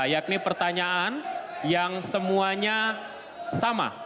yakni pertanyaan yang semuanya sama